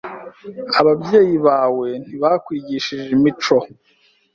Ababyeyi bawe ntibakwigishije imico?